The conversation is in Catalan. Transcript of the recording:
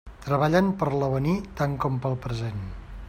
Treballen per l'avenir tant com pel present.